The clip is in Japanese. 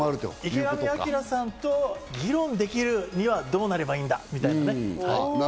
池上彰さんと議論できるにはどうなればいいんだみたいな。